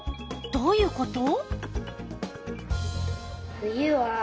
どういうこと？